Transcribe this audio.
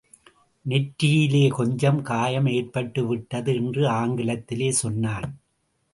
நெற்றியிலே கொஞ்சம் காயம் ஏற்பட்டுவிட்டது என்று ஆங்கிலத்திலே சொன்னான்.